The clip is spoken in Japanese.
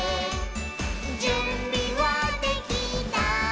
「じゅんびはできた？